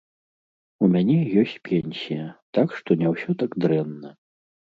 У мяне ёсць пенсія, так што не ўсё так дрэнна.